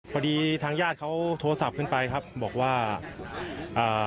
พอดีทางญาติเขาโทรศัพท์ขึ้นไปครับบอกว่าอ่า